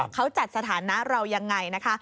เขาจัดสถานะเรายังไงนะคะ